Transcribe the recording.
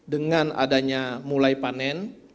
dengan adanya mulai panen